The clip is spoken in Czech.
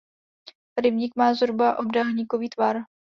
Rybník má zhruba obdélníkový tvar.